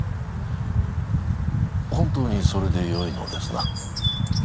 本当にそれでよいのですな？